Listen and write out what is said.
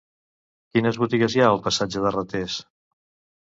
Quines botigues hi ha al passatge de Ratés?